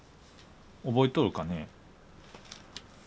覚えとるかね？